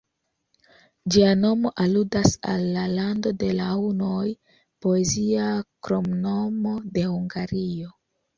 Ĝia nomo aludas al la ""Lando de la Hunoj"", poezia kromnomo de Hungario.